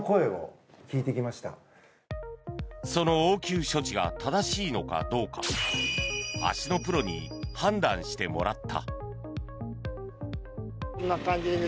その応急処置が正しいのかどうか足のプロに判断してもらった。